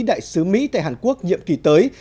đại sứ mỹ tại hàn quốc nhiệm kỳ tới